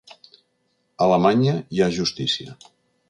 A Alemanya hi ha justícia.